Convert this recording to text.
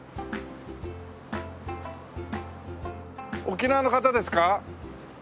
沖縄の方ですか？